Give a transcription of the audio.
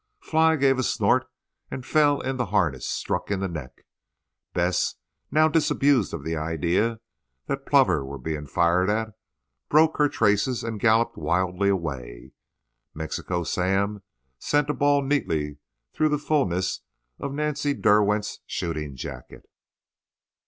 Fly gave a snort and fell in the harness, struck in the neck. Bess, now disabused of the idea that plover were being fired at, broke her traces and galloped wildly away. Mexican Sam sent a ball neatly through the fulness of Nancy Derwent's shooting jacket.